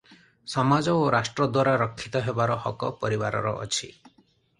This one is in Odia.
ସମାଜ ଓ ରାଷ୍ଟ୍ରଦ୍ୱାରା ରକ୍ଷିତ ହେବାର ହକ ପରିବାରର ଅଛି ।